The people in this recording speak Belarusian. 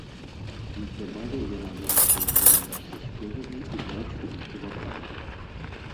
Неўзабаве яна вырашыла заняцца спевамі і браць урокі вакалу.